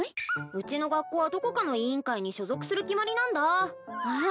うちの学校はどこかの委員会に所属する決まりなんだああ